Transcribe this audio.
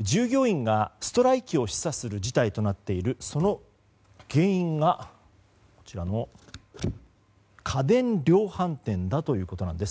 従業員がストライキを示唆する事態となっているその原因が家電量販店ということなんです。